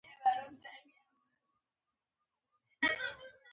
سږکال زموږ په کلي کې سوړ ناورين راغی.